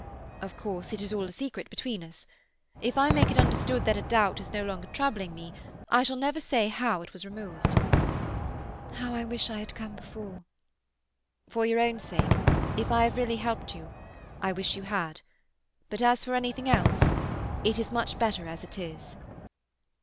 Of course it is all a secret between us. If I make it understood that a doubt is no longer troubling me I shall never say how it was removed." "How I wish I had come before." "For your own sake, if I have really helped you, I wish you had. But as for anything else—it is much better as it is."